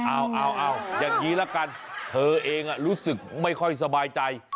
เอาอย่างนี้ละกันเธอเองรู้สึกไม่ค่อยสบายใจ